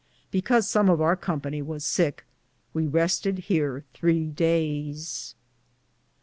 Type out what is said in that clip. Because som of our companye was sicke, we restede heare 3 dayes.